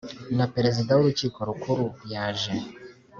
na Perezida w Urukiko Rukuru yaje